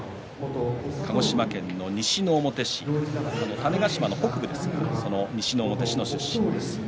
鹿児島県の種子島の北部ですが西之表市の出身です。